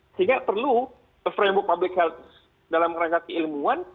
sehingga perlu framework public health dalam rangka keilmuan